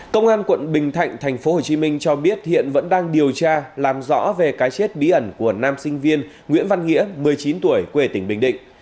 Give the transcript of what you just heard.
công an quận bình thạnh tp hcm cho biết hiện vẫn đang điều tra làm rõ về cái chết bí ẩn của nam sinh viên nguyễn văn nghĩa một mươi chín tuổi quê tỉnh bình định